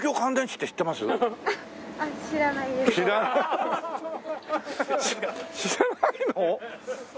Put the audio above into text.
し知らないの！？